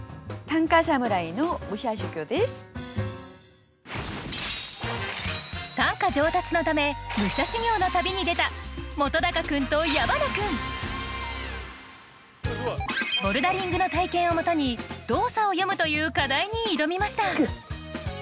短歌上達のため武者修行の旅に出た本君と矢花君ボルダリングの体験をもとに「動作を詠む」という課題に挑みました。